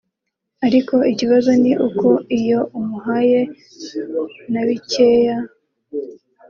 ariko ikibazo ni uko iyo umuhaye na bikeya